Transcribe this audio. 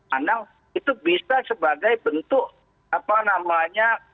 karena itu bisa sebagai bentuk apa namanya